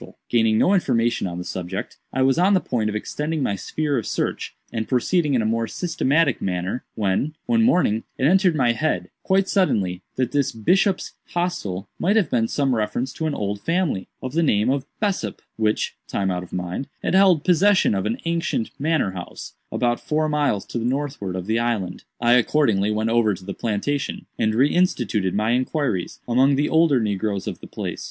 Gaining no information on the subject, I was on the point of extending my sphere of search, and proceeding in a more systematic manner, when, one morning, it entered into my head, quite suddenly, that this 'Bishop's Hostel' might have some reference to an old family, of the name of Bessop, which, time out of mind, had held possession of an ancient manor house, about four miles to the northward of the island. I accordingly went over to the plantation, and re instituted my inquiries among the older negroes of the place.